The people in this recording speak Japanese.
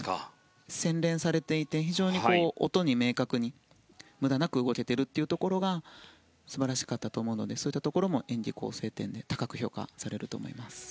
洗練されていて非常に音に明確に無駄なく動けているというところが素晴らしかったのでそういったところも演技構成点で高く評価されると思います。